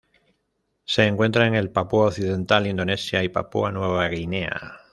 Se encuentra en el Papúa Occidental, Indonesia y Papúa Nueva Guinea